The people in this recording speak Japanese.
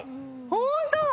ホント⁉